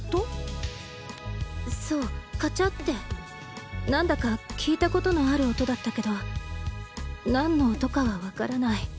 そうカチャってなんだか聞いたことのある音だったけど何の音かは分からない。